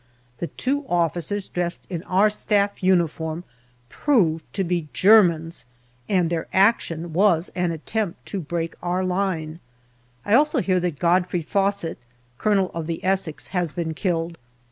The two officers dressed in our Staff uniform proved to be Germans, and their action was an attempt to break our line. I hear also that Godfrey Faussett, Colonel of the Essex, has been killed.